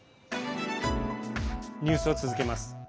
ニュースを続けます。